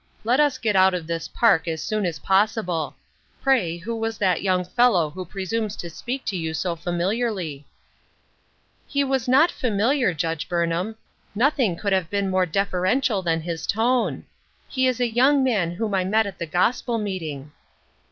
Let us get out of this park as soon as possible. Pray who was that young fellow who presumes to speak to you so familiarly ?"" He was not familiar, Judge Burnham ; nothing could have been more deferential than his tone. A WAITING WORKER. 305 He is a young man whom I met at the Gospel meeting."